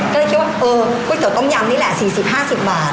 ก็เลยคิดว่าเออกลุ่มยำนี่แหละ๔๐๕๐บาท